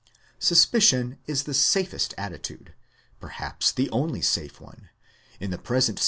Suspicion is the safest attitude perhaps the only safe one in the present st.